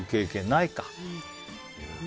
ないか。